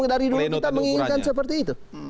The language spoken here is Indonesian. dari dulu kita menginginkan seperti itu